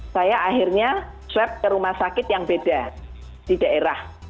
saya akhirnya swab ke rumah sakit yang beda di daerah